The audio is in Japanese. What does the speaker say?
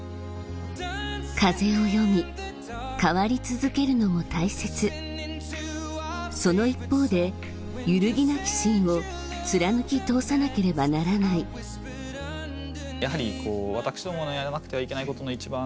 風を読み変わり続けるのも大切その一方で揺るぎなきしんを貫き通さなければならないやはり。